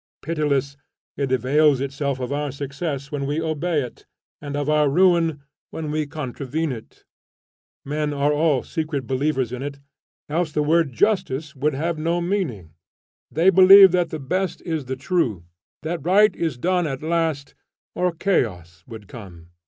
Pitiless, it avails itself of our success when we obey it, and of our ruin when we contravene it. Men are all secret believers in it, else the word justice would have no meaning: they believe that the best is the true; that right is done at last; or chaos would come.